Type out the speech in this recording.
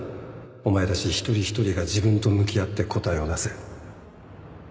お前たち一人一人が自分と向き合って答えを出せ